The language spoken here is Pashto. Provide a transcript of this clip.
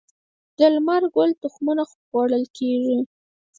د لمر ګل تخمونه خوړل کیږي